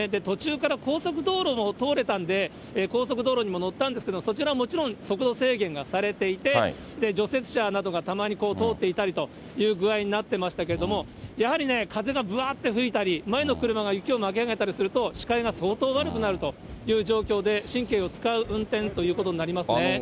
途中から、高速道路を通れたんで、高速道路にも乗ったんですけど、そちら、もちろん、速度制限がされていて、除雪車などがたまに通っていたりという具合になってましたけれども、やはり風がぶわって吹いたり、前の車が雪を巻き上げたりすると、視界が相当悪くなるという状況で、神経を使う運転ということになりますね。